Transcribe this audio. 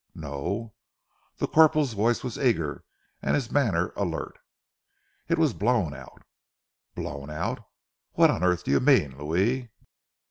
"No?" The corporal's voice was eager and his manner alert. "It was blown out!" "Blown out! What on earth do you mean, Louis?"